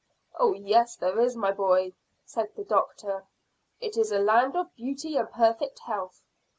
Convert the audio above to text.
"Oh yes, there is, my boy," said the doctor; "it is a land of beauty and perfect health."